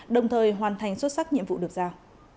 đồng thời hoàn thành xuất sắc nhiệm vụ được giao